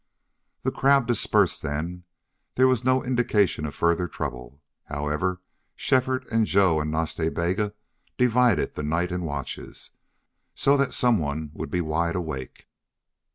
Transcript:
The crowd dispersed then. There was no indication of further trouble. However, Shefford and Joe and Nas Ta Bega divided the night in watches, so that some one would be wide awake.